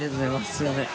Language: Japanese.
すいません。